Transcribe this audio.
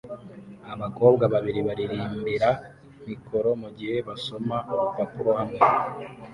Abakobwa babiri baririmbira mikoro mugihe basoma urupapuro hamwe